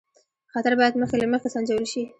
خطر باید مخکې له مخکې سنجول شي.